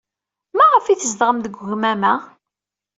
Maɣef ay tzedɣem deg ugmam-a?